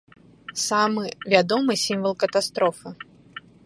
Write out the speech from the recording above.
Самы вядомы сімвал катастрофы.